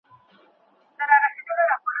ساینسي معلومات باید په لابراتوار کي ثابت سي.